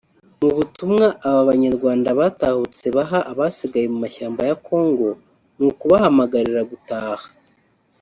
Mu butumwa aba Banyarwanda batahutse baha abasigaye mu mashyamba ya Congo ni ukubahamagarira gutaha